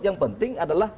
yang penting adalah